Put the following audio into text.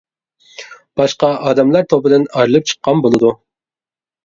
باشقا ئادەملەر توپىدىن ئايرىلىپ چىققان بولىدۇ.